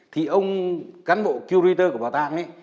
thì ông cán bộ curator của bảo tàng ấy